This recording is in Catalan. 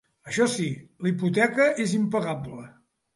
Això sí, la hipoteca és impagable.